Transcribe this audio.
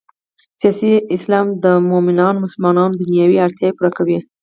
سیاسي اسلام د مومنو مسلمانانو دنیايي اړتیاوې پوره کوي.